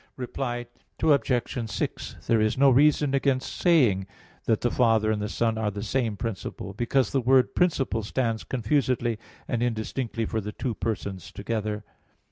Reply Obj. 6: There is no reason against saying that the Father and the Son are the same principle, because the word "principle" stands confusedly and indistinctly for the two Persons together.